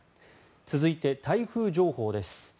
続いて台風情報です。